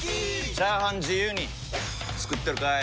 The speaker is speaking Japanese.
チャーハン自由に作ってるかい！？